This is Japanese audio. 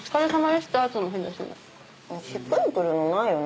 しっくりくるのないよね。